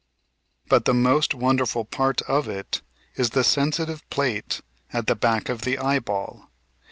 But the most wonderful part of it is the "sensitive plate" at the back of the eyeball.